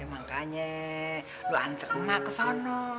emangkanya lu antre mak kesana